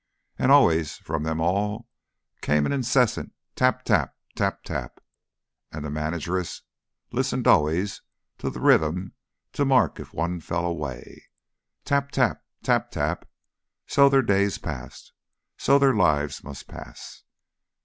And always from them all came an incessant tap, tap, tap, tap, and the manageress listened always to the rhythm to mark if one fell away. Tap, tap, tap, tap: so their days passed, so their lives must pass.